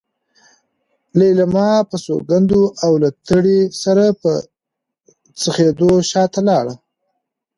ليلما په سونګېدو او له تړې سره په څخېدو شاته لاړه.